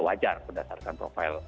wajar berdasarkan profil